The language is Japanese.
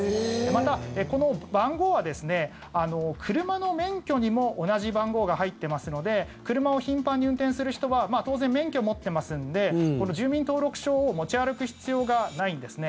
また、この番号は車の免許にも同じ番号が入っていますので車を頻繁に運転する人は当然、免許を持ってますんで住民登録証を持ち歩く必要がないんですね。